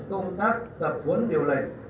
công tác tập huấn điều lệnh